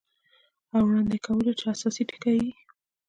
او وړاندې کولو چې اساسي ټکي یې